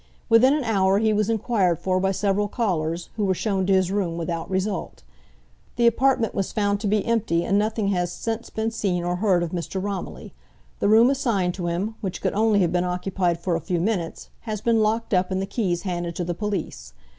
Within an hour he was enquired for by several callers, who were shown to his room without result. The apartment was found to be empty and nothing has since been seen or heard of Mr. Romilly. The room assigned to him, which could only have been occupied for a few minutes, has been locked up and the keys handed to the police.